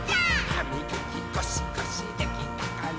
「はみがきゴシゴシできたかな？」